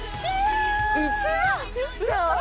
１万切っちゃう！？